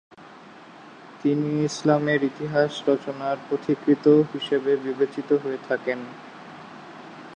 তিনি ইসলামের ইতিহাস রচনার পথিকৃৎ হিসেবে বিবেচিত হয়ে থাকেন।